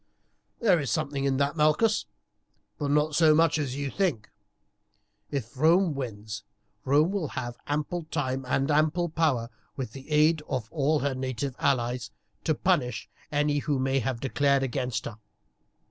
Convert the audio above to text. "There is something in that, Malchus, but not so much as you think. If Rome wins, Rome will have ample time and ample power, with the aid of all her native allies, to punish any who may have declared against her.